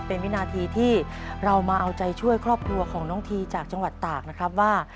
เป็นวินาทีที่เรามาเอาใจช่วยครอบครัวของน้องทีจากจังหวัดตากนะครับว่า